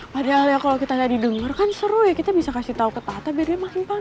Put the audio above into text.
padahal ya kalo kita ga didengar kan seru ya kita bisa kasih tau ke tata biar dia makin paham